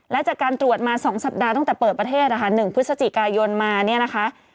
และจากการตรวจมา๒สัปดาห์ตั้งแต่เปิดประเทศนะคะ๑พฤศจิกายนมาเนี่ยนะคะ